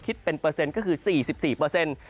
คิดเป็นเปอร์เซ็นต์ก็คือ๔๔